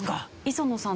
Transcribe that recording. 磯野さん